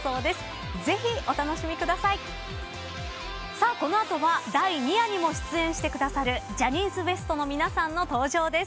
さあこの後は第２夜にも出演してくださるジャニーズＷＥＳＴの皆さんの登場です。